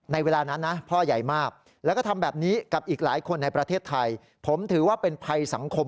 ในเวลานั้นนะพ่อใหญ่มากแล้วก็ทำแบบนี้กับอีกหลายคนในประเทศไทย